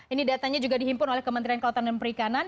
ini datanya juga dihimpun oleh kementerian kelautan dan perikanan